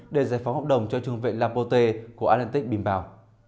để giải phóng hợp đồng cho trường vệ lapote của atlantic bimbao